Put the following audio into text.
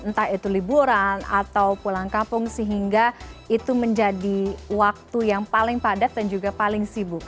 entah itu liburan atau pulang kampung sehingga itu menjadi waktu yang paling padat dan juga paling sibuk